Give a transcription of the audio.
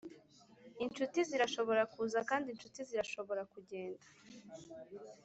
inshuti zirashobora kuza, kandi inshuti zirashobora kugenda.